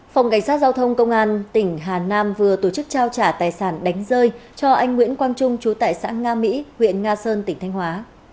phòng cảnh sát giao thông công an tỉnh hà nam vừa tổ chức trao trả tài sản đánh rơi cho anh nguyễn quang trung chú tại xã nga mỹ huyện nga sơn tỉnh thanh hóa